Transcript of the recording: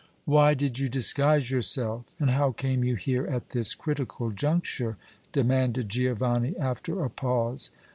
"Why did you disguise yourself, and how came you here at this critical juncture?" demanded Giovanni, after a pause.